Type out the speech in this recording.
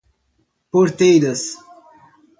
Porteiras